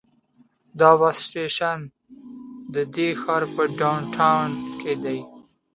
دا بس سټیشن د دې ښار په ډاون ټاون کې دی.